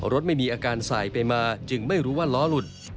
รถไม่มีอาการสายไปมาจึงไม่รู้ว่าล้อหลุด